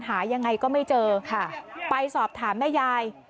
หายังไงก็ไม่เจอค่ะไปสอบถามแม่ยาย